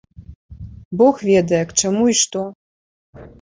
Бог ведае, к чаму й што?